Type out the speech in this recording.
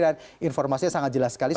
dan informasinya sangat jelas sekali